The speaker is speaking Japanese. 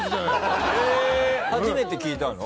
初めて聞いたの？